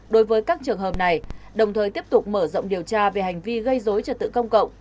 đối với các trường hợp này đồng thời tiếp tục mở rộng điều tra về hành vi gây dối trật tự công cộng